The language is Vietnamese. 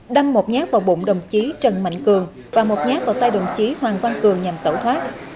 đâm một nhát vào bụng đồng chí trần mạnh cường và một nhát vào tay đồng chí hoàng văn cường nhằm tẩu thoát